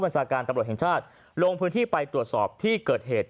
ชาการตำรวจแห่งชาติลงพื้นที่ไปตรวจสอบที่เกิดเหตุ